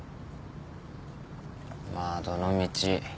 まあどのみち